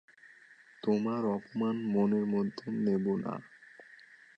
তোমার অপমান মনের মধ্যে নেব না।